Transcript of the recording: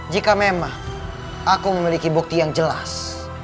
jika memang aku memiliki bukti yang jelas